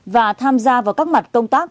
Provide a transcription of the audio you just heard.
và tham gia vào các mặt công tác